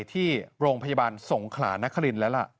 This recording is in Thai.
ที่โรงพยาบาลสงขลานครินทร์แล้วล่ะ